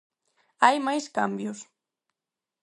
Hai máis cambios.